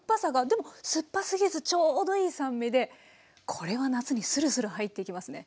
でも酸っぱすぎずちょうどいい酸味でこれは夏にスルスル入っていきますね。